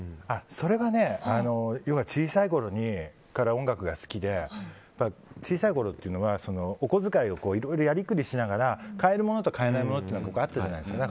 それは要は小さいころから音楽が好きで小さいころってお小遣いをいろいろやりくりしながら買えるものと買えないものがあったじゃないですか。